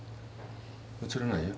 映らないよ。